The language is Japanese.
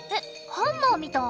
ハンマーみたい。